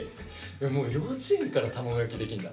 もう幼稚園から卵焼きできんだ。